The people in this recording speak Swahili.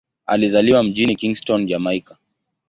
Alizaliwa mjini Kingston, Jamaika.